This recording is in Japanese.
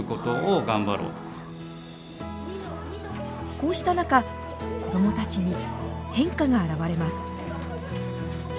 こうした中子どもたちに変化が現れます。